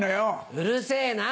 うるせぇな。